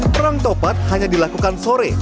perang topat hanya dilakukan sore